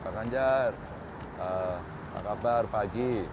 pak ganjar apa kabar pagi